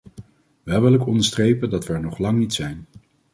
Wel wil ik onderstrepen dat we er nog lang niet zijn.